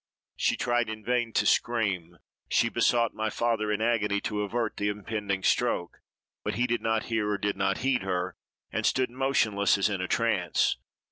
She tried in vain to scream; she besought my father, in agony, to avert the impending stroke; but he did not hear, or did not heed her, and stood motionless, as in a trance.